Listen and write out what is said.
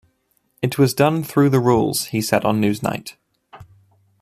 It was done through the rules," he said on "Newsnight".